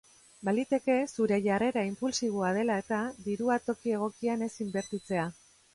Baliteke zure jarrera inpultsiboa dela eta, dirua toki egokian ez inbertitzea.